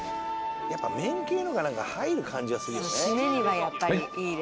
やっぱ麺系のほうが入る感じはするよね。